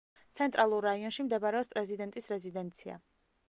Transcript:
ცენტრალურ რაიონში მდებარეობს პრეზიდენტის რეზიდენცია.